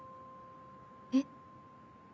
えっ？